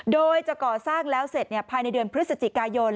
โดยจะก่อสร้างแล้วเสร็จภายในเดือนพฤศจิกายน